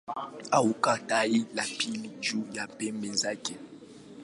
Hakuna tawi la pili juu ya pembe zake.